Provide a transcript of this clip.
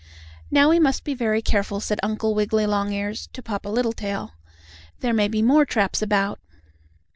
"Now we must be very careful," said Uncle Wiggily Longears, to Papa Littletail. "There may be more traps about."